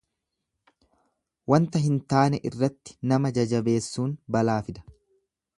Wanta hin taane irratti nama jajabeessuun balaa fida.